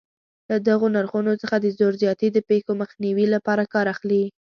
له دغو نرخونو څخه د زور زیاتي د پېښو مخنیوي لپاره کار اخلي.